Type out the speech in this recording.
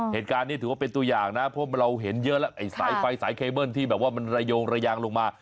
เหตุการณ์นี้ถือว่าเป็นตัวอย่างนะเพราะเราเห็นเยอะแล้วไอ้สายไฟสายเคเบิ้ลที่แบบว่ามันระโยงระยางลงมา